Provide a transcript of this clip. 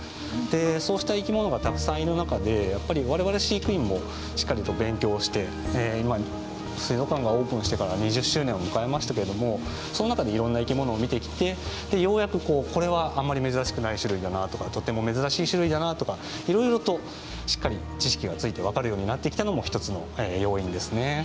そうした生き物がたくさんいる中でやっぱり我々飼育員もしっかりと勉強をして水族館がオープンしてから２０周年を迎えましたけどもその中でいろんな生き物を見てきてようやくこれはあんまり珍しくない種類だなとかとっても珍しい種類だなとかいろいろとしっかり知識がついて分かるようになってきたのも一つの要因ですね。